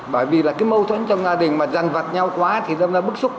bởi vì là cái mâu thuẫn trong gia đình mà dằn vặt nhau quá thì nó bức xúc